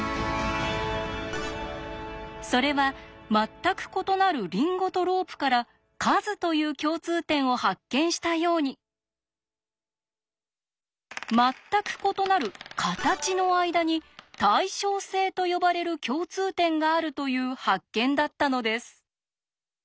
それは全く異なるリンゴとロープから「数」という共通点を発見したように全く異なる「形」の間に「対称性」と呼ばれる共通点があるという発見だったのです。